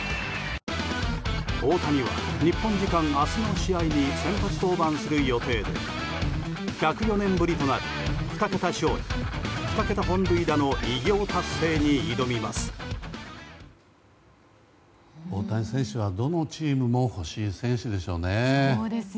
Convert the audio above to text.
大谷は日本時間明日の試合に先発登板する予定で１０４年ぶりとなる２桁勝利２桁本塁打の偉業達成に挑みます。